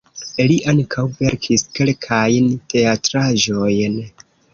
Li ankaŭ verkis kelkajn teatraĵojn.